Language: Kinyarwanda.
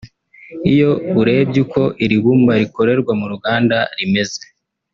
Iyo urebye uko iri bumba rikorerwa mu ruganda rimeze